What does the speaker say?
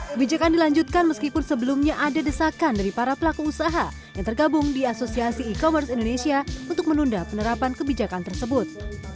kebijakan dilanjutkan meskipun sebelumnya ada desakan dari para pelaku usaha yang tergabung di asosiasi e commerce indonesia untuk menunda penerapan kebijakan tersebut